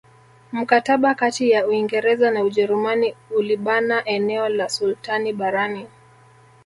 Mkataba kati ya Uingereza na Ujerumani ulibana eneo la sultani barani